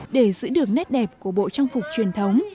để giữ được nét đẹp của bộ trang phục truyền thống